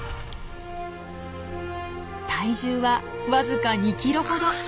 体重は僅か２キロほど。